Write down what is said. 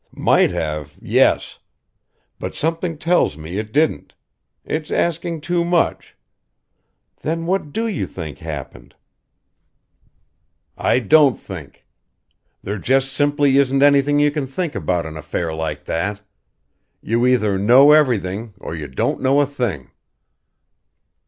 "Might have yes. But something tells me it didn't. It's asking too much " "Then what do you think happened?" "I don't think. There just simply isn't anything you can think about an affair like that. You either know everything or you don't know a thing!"